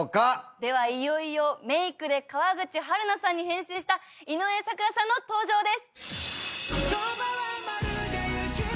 ではいよいよメイクで川口春奈さんに変身した井上咲楽さんの登場です。